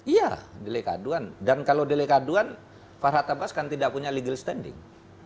iya beli keaduan dan kalau beli keaduan farhad ardhafas kan tidak punya legal standing